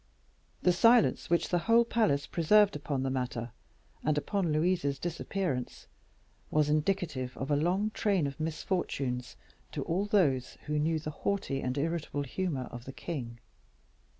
The silence which the whole palace preserved upon the matter, and upon Louise's disappearance, was indicative of a long train of misfortunes to all those who knew the haughty and irritable humor of the king.